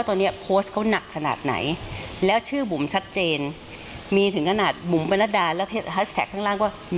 เดี๋ยวลองฟังดูนะฮะ